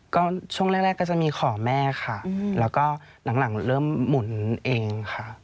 ก็ช่วงแรกก็จะมีขอแม่ค่ะแล้วก็หลังเริ่มหมุนเองค่ะ